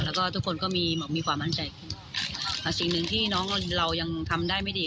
แล้วก็ทุกคนก็มีมีความมั่นใจขึ้นสิ่งหนึ่งที่น้องเรายังทำได้ไม่ดี